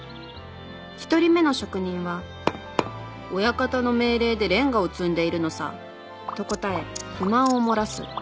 １人目の職人は「親方の命令でレンガを積んでいるのさ」と答え不満を漏らす。